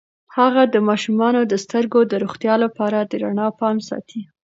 هغه د ماشومانو د سترګو د روغتیا لپاره د رڼا پام ساتي.